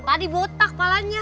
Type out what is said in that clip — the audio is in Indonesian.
tadi butak palanya